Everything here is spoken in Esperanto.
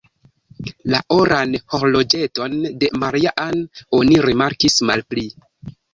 La oran horloĝeton de Maria-Ann oni rimarkis malpli.